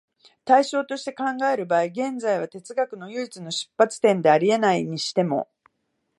対象として考える場合、現実は哲学の唯一の出発点であり得ないにしても、